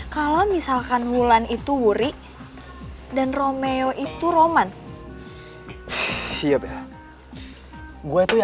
kalau misalnya dia ada di sini lo pasti bisa lihat dia